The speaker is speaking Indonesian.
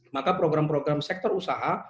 maka program program sektor usaha